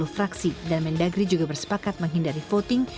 sepuluh fraksi dan mendagri juga bersepakat menghindari voting